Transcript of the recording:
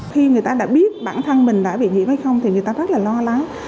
khi người ta đã biết bản thân mình đã bị nhiễm hay không thì người ta rất là lo lắng